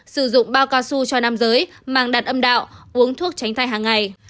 sử dụng bao cao su cho nam giới mang đặt âm đạo uống thuốc tránh thai hàng ngày